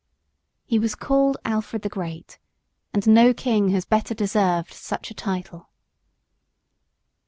He was called Alfred the Great, and no king has better deserved such a title.